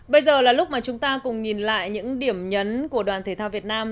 bây giờ là lúc mà chúng ta cùng nhìn lại những điểm nhấn của đoàn thể thao việt nam